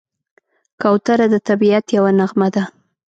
کوتره د طبیعت یوه نغمه ده.